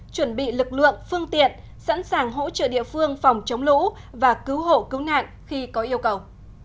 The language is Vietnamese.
chuẩn bị lực lượng phương tiện sẵn sàng hỗ trợ địa phương phòng chống lũ và cứu hộ cứu nạn khi có yêu cầu